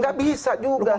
nggak bisa juga